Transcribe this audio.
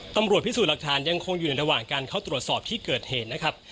ตำรวจพิสูจน์หลักฐานยังคงอยู่ในระหว่างการเข้าตรวจสอบที่เกิดเหตุนะครับ